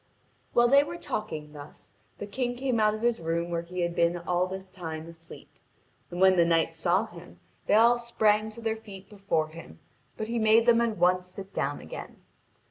(Vv. 649 722.) While they were talking thus, the King came out of his room where he had been all this time asleep. And when the knights saw him they all sprang to their feet before him, but he made them at once sit down again.